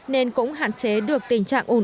nên cũng hạn chế được tình trạng ổn định